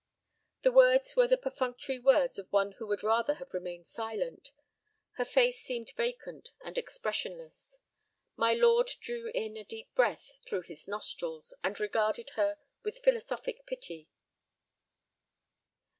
The words were the perfunctory words of one who would rather have remained silent. Her face seemed vacant and expressionless. My lord drew in a deep breath through his nostrils, and regarded her with philosophic pity.